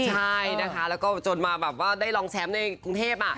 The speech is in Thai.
ใช่นะคะแล้วก็จนมาแบบว่าได้รองแชมป์ในกรุงเทพ